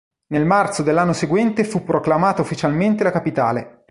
Nel marzo dell'anno seguente fu proclamata ufficialmente la capitale.